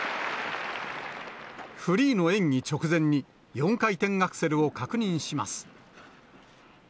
フリーの演技直前に、４回転アクセルを確認します。